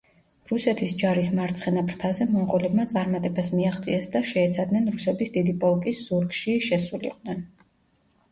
რუსეთის ჯარის მარცხენა ფრთაზე მონღოლებმა წარმატებას მიაღწიეს და შეეცადნენ რუსების დიდი პოლკის ზურგში შესულიყვნენ.